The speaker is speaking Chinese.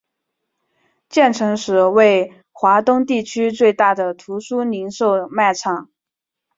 建成时为华东地区最大的图书零售卖场。